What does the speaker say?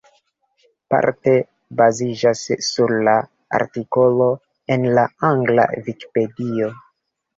Parte baziĝas sur la artikolo en la angla Vikipedio.